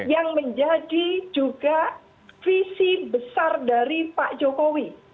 yang menjadi juga visi besar dari pak jokowi